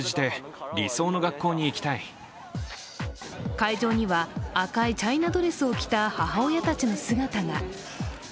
会場には赤いチャイナドレスを着た母親たちの姿が。